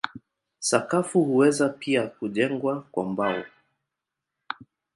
Sakafu huweza pia kujengwa kwa mbao.